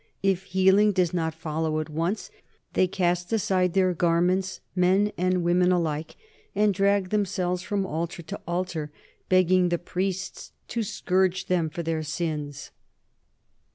If healing does not follow at once, they cast aside their garments, men and women alike, and drag themselves from altar to altar ... begging the priests to scourge them for their sins.